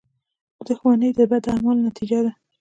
• دښمني د بدو اعمالو نتیجه ده.